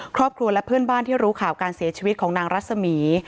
ครอบครัวและเพื่อนบ้านที่รู้ข่าวการเสียชีวิตของนางรัศมี